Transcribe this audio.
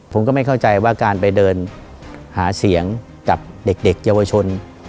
ผมก็ไม่เข้าใจว่าการไปเดินหาเสียงกับเด็กเยาวชน